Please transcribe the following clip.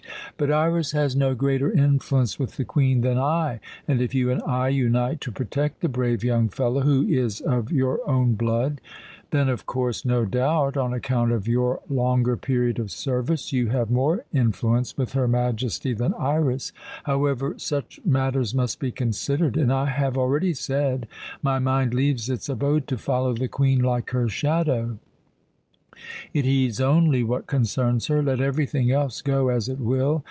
"But Iras has no greater influence with the Queen than I, and if you and I unite to protect the brave young fellow, who is of your own blood " "Then, of course no doubt, on account of your longer period of service, you have more influence with her Majesty than Iras however such matters must be considered and I have already said my mind leaves its abode to follow the Queen like her shadow. It heeds only what concerns her. Let everything else go as it will.